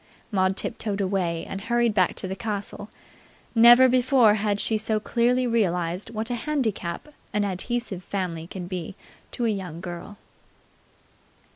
Maud tiptoed away, and hurried back to the castle. Never before had she so clearly realized what a handicap an adhesive family can be to a young girl.